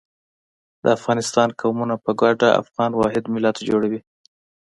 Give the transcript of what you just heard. د افغانستان قومونه په ګډه افغان واحد ملت جوړوي.